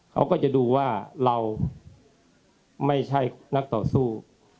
เขาก็จะดูว่าเราไม่ใช่นักต่อสู้